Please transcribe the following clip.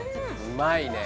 うまいね